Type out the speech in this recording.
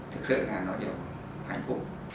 thực sự là nó đều hạnh phúc